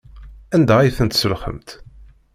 Anda ay tent-tselxemt?